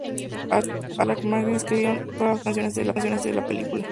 Ashman y Alan Menken escribieron todas las canciones de la película.